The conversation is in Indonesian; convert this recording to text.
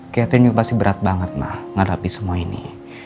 catherine juga pasti berat banget ma ngadapi semua ini